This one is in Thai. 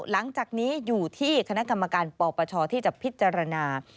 หลังจากนี้อยู่ที่คณะกรรมการปปชที่จะพิจารณา